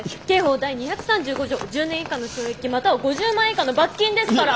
刑法第２３５条１０年以下の懲役または５０万円以下の罰金ですから！